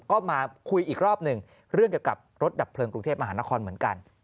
ก็มาคุยอีกรอบหนึ่งเรื่องเกี่ยวกับรถดับเพลิงกรุงเทพมหานครเหมือนกัน